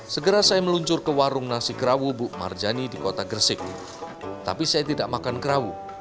segera saya meluncur ke warung nasi kerawu bu marjani di kota gresik tapi saya tidak makan keraw